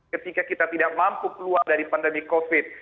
ketika kita tidak mampu keluar dari pandemi covid